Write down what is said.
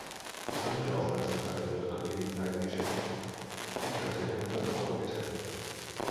Besondere Aufmerksamkeit wird Angelegenheiten geschenkt, die Kartelle und Verbraucher betreffen.